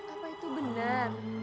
apa itu benar